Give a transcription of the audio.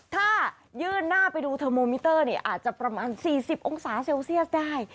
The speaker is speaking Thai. ถ้ายื่นหน้าไปดูเทอร์โมมิเตอร์อาจจะประมาณ๔๐องศาเซลเซียสได้